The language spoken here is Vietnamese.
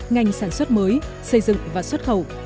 ngành sản xuất mới xây dựng và xuất khẩu